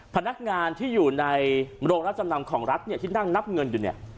พนักงานที่อยู่ในโรงรับจำนำของรัฐเนี่ยที่นั่งนับเงินอยู่เนี่ย